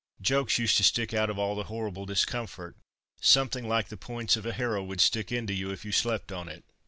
Jokes used to stick out of all the horrible discomfort, something like the points of a harrow would stick into you if you slept on it.